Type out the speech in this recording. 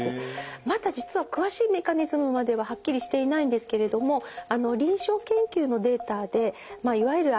まだ実は詳しいメカニズムまでははっきりしていないんですけれども臨床研究のデータでいわゆる関節痛に対してですね